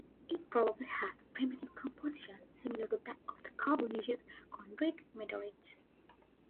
It probably has a primitive composition, similar to that of the carbonaceous chondrite meteorites.